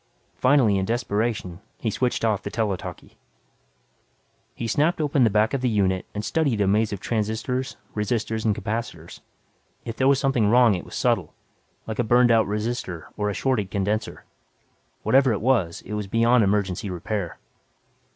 Finally, in desperation, he switched off the tele talkie. He snapped open the back of the unit and studied the maze of transistors, resistors, and capacitators. If there was something wrong it was subtle, like a burned out resistor or a shorted condenser. Whatever it was, it was beyond emergency repair.